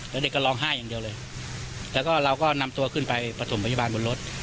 แล้วเด็กก็ร้องไห้อย่างเดียวเลยแล้วก็เราก็นำตัวขึ้นไปประถมพยาบาลบนรถ